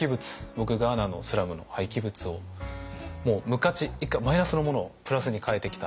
僕ガーナのスラムの廃棄物をもう無価値以下マイナスのものをプラスに変えてきた。